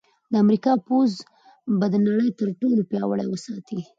د امریکا پوځ به په نړۍ کې تر ټولو پیاوړی وساتي